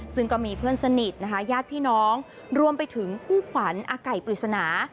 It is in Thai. ซึ่งก็มีเพื่อนสนิทนะคะญาติพี่น้องรวมไปถึงคู่ขวัญอาไก่ปริศนา